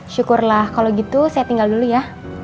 syukurlah kalau gitu saya tinggal dulu ya